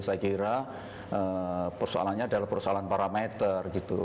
saya kira persoalannya adalah persoalan parameter gitu